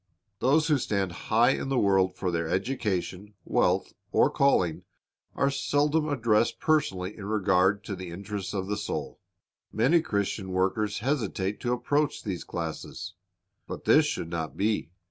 ^ Those who stand high in the world for their education, wealth, or calling, are seldom addressed personally in regard to the interests of the soul. Many Christian workers hesitate to approach these classes. But this should not be.